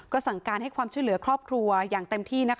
สั่งการให้ความช่วยเหลือครอบครัวอย่างเต็มที่